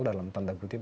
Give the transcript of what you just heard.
dalam tanda kutip